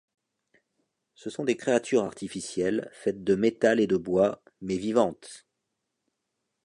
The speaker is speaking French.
Ce sont des créatures artificielles, faites de métal et de bois, mais vivantes.